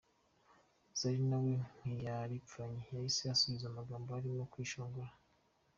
Zari nawe ntiyaripfanye yahise asubiza n'amagambo arimo kwishongora.